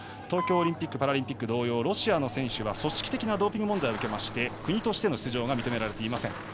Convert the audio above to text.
東京オリンピック・パラリンピック同様、ロシアは組織的なドーピング問題を受けて国としての出場が認められません。